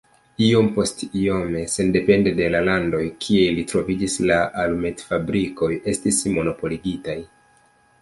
Iompostiome, sendepende de la landoj, kie ili troviĝis, la alumetfabrikoj estis monopoligitaj.